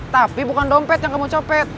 tapi bukan dompet yang kamu copet